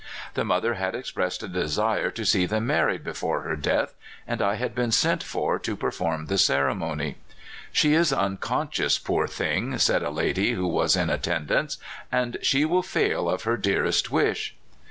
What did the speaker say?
The mother had expressed AT THE END. 327 a desire to see them married before her death, and I had been sent for to perform the ceremony. '* She is unconscious, poor thing!" said a lady who was in attendance, " and she will fail of her dearest wish.''